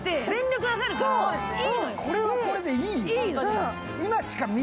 これはこれでいいのよ。